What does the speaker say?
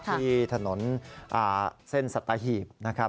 ที่ถนนเส้นสัตหีบนะครับ